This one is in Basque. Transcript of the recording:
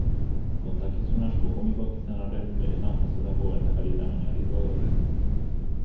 Kontakizun asko komikoak izan arren, benetan jazotako gertakarietan oinarrituak daude.